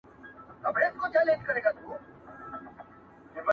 ته هم چایې په توده غېږ کي نیولی؟!!